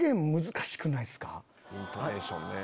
イントネーションね。